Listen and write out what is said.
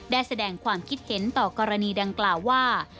ได้แสดงความคิดเห็นต่อกรณีดังกล่าวว่า